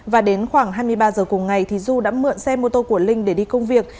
và đến khoảng hai mươi ba giờ cùng ngày thì du đã mượn xe mô tô của linh để đi công việc